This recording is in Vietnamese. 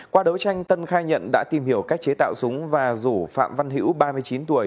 qua đấu tranh tân khai nhận đã tìm hiểu cách chế tạo súng và rủ phạm văn hữu ba mươi chín tuổi